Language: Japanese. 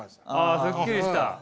あすっきりした？